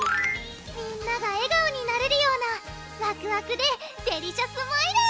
みんなが笑顔になれるようなわくわくでデリシャスマイル！